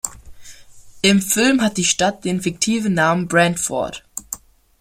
Im Film hat die Stadt den fiktiven Namen "Brantford".